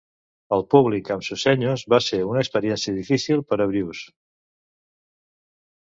El públic amb Susenyos va ser una experiència difícil per a Bruce.